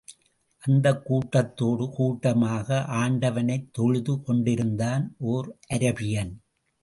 அந்தக் கூட்டத்தோடு கூட்டமாக ஆண்டவனைத் தொழுது கொண்டிருந்தான் ஓர் அராபியன்.